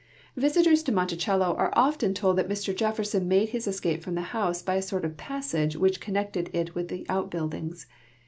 Visitors to .Monticello are often told that Mr Jefferson made his escape from the house by a sort of passage which connected it with outbuildings.